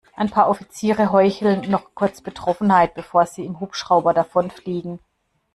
Ein paar Offizielle heucheln noch kurz Betroffenheit, bevor sie im Hubschrauber davonfliegen.